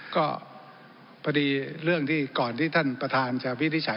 ก็พอดีเรื่องที่ก่อนที่ท่านประธานจะวินิจฉัย